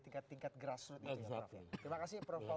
terima kasih prof ika